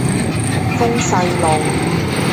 豐勢路